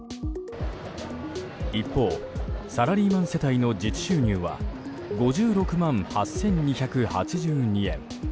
一方、サラリーマン世帯の実収入は５６万８２８２円。